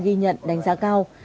ghi nhận đánh giá cao